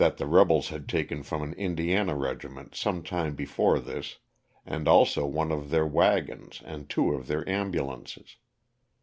the rebels had taken from an Indiana regiment some time before this, and also one of their wagons and two of their ambulances.